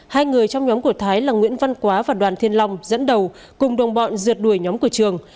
hai người trong nhóm của thái là nguyễn văn quá và đoàn thiên long dẫn đầu cùng đồng bọn rượt đuổi nhóm của trường